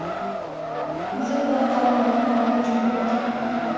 زه بل قلم درکوم په جملو کې.